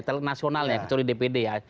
ke caleg nasionalnya kecuali dpd ya